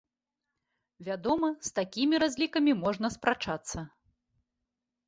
Вядома, з такімі разлікамі можна спрачацца.